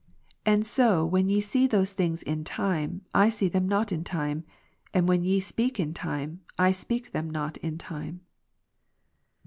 And so when we see those thmgs in time, I see them ■^'• not in time ; as when ye speak in time, I speak them not in time."